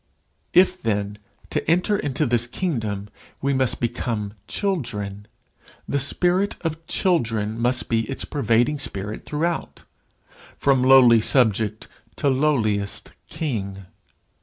If, then, to enter into this kingdom, we must become children, the spirit of children must be its pervading spirit throughout, from lowly subject to lowliest king.